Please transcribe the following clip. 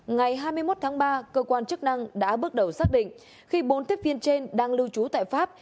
ngày hai mươi một tháng ba cơ quan chức năng đã bước đầu xác định khi bốn tiếp viên trên đang lưu trú tại pháp